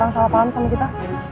salah paham sama kita